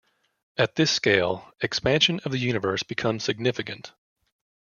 At this scale, expansion of the universe becomes significant.